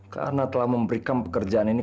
karena telah memberikan pekerjaan ini